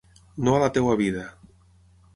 No a la teva vida.